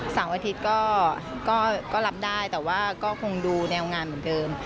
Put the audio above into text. เสาร์อาทิตย์ก็รับได้แต่ว่าก็คงดูแนวงานเหมือนเดิม